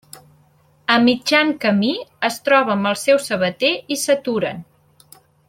A mitjan camí, es troba amb el seu sabater, i s'aturen.